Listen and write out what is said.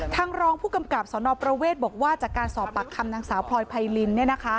รองผู้กำกับสนประเวทบอกว่าจากการสอบปากคำนางสาวพลอยไพริน